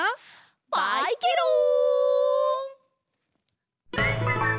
バイケロン！